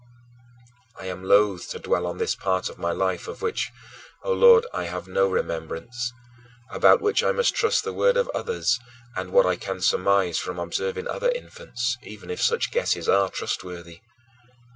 I am loath to dwell on this part of my life of which, O Lord, I have no remembrance, about which I must trust the word of others and what I can surmise from observing other infants, even if such guesses are trustworthy.